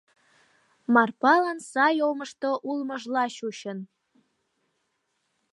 Марпалан сай омышто улмыжла чучын.